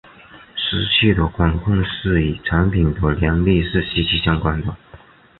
湿气的管控是与产品的良率是息息相关的。